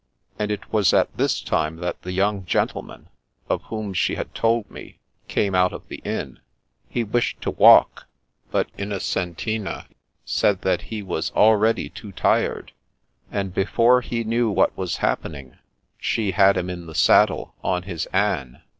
And it was at this time that the young gentleman, of whom she had told me, came out of the inn. He wished to walk, but Innocentina said that he was already too tired, and before he knew what was happening, she had him in the saddle on his ane.